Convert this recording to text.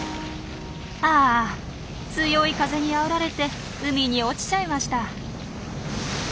あ強い風にあおられて海に落ちちゃいました。